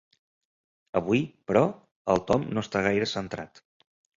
Avui, però, el Tom no està gaire centrat.